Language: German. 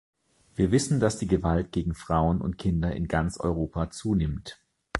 Wir wissen, dass die Gewalt gegen Frauen und Kinder in ganz Europa zunimmt.